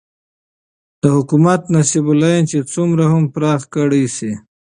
دحكومت نصب العين چې څومره هم پراخ كړى سي